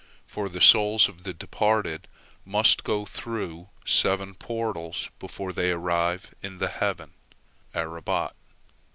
For the souls of the departed must go through seven portals before they arrive in the heaven 'Arabot.